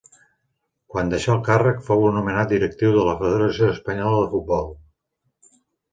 Quan deixà el càrrec fou nomenat directiu de la Federació Espanyola de Futbol.